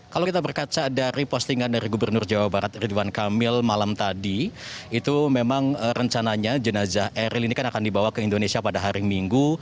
kalau kita berkaca dari postingan dari gubernur jawa barat ridwan kamil malam tadi itu memang rencananya jenazah eril ini kan akan dibawa ke indonesia pada hari minggu